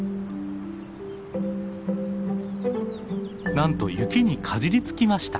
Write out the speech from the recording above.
なんと雪にかじりつきました。